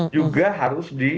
juga harus di